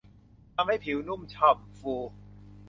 ทำให้ผิวนุ่มฉ่ำฟู